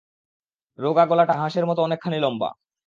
রোগা, গলাটা হাঁসের মতো অনেকখানি লম্বা।